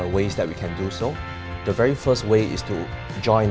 làm sao để khởi nghiệp thành công